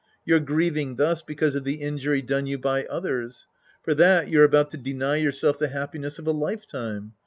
You're griev ing thus because of the injury done you by others. For that, you're about to deny yourself the happiness of a lifetime.